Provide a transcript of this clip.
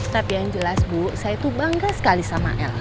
tapi yang jelas bu saya tuh bangga sekali sama l